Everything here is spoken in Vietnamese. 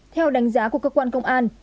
theo đánh giá của cơ quan công an